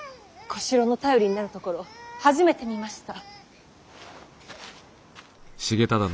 小四郎の頼りになるところ初めて見ました。